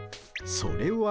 それは。